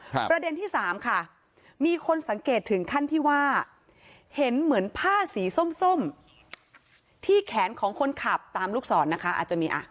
ประเด็นที่สามค่ะมีคนสังเกตถึงขั้นที่ว่าเห็นเหมือนผ้าสีส้มส้มที่แขนของคนขับตามลูกศรนะคะอาจจะมีอ่ะ